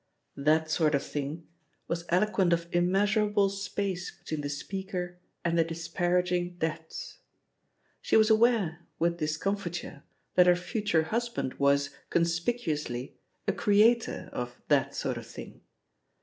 That sort of thing" was eloquent of immeasur able space between the speaker and the dispar aged depths. She was aware, with discomfiture, that her future husband was, conspicuously, a creator of "That sort of thing."